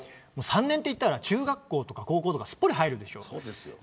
３年といえば中学校とか高校すっぽり入るでしょ。